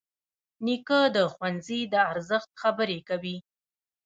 نیکه د ښوونځي د ارزښت خبرې کوي.